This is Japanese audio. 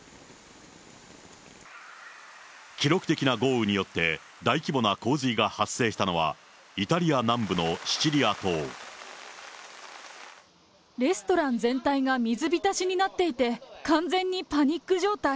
記録的な豪雨によって、大規模な洪水が発生したのは、レストラン全体が水浸しになっていて、完全にパニック状態。